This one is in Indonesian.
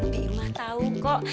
bima tahu kok